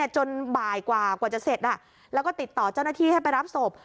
จนบ่ายกว่าจะเสร็จแล้วก็ติดต่อเจ้าหน้าที่ให้ไปรับศพ